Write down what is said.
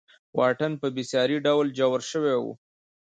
واټن په بېساري ډول ژور شوی و.